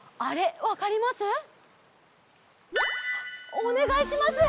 おねがいします。